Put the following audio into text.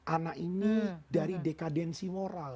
anak ini dari dekadensi moral